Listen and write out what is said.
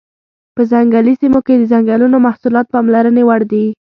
په ځنګلي سیمو کې د ځنګلونو محصولات پاملرنې وړ دي.